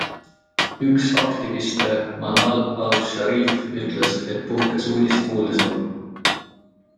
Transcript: Üks aktiviste, Manal al-Sharif, ütles, et puhkes uudist kuuldes nutma.